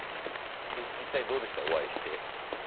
実際にどうでしたかお会いして。